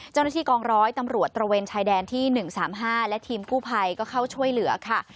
เจ้าหน้าที่กองร้อยตำรวจตระเวนชายแดนที่๑๓๕และทีมกู้ภัยก็เข้าช่วยเหลือค่ะ